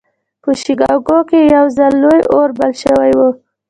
په شيکاګو کې يو ځل لوی اور بل شوی و.